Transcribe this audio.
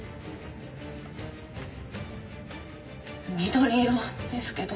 緑色ですけど。